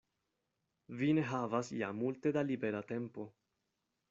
Vi ne havas ja multe da libera tempo.